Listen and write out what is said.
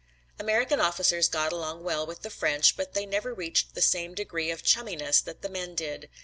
American officers got along well with the French but they never reached the same degree of chumminess that the men did.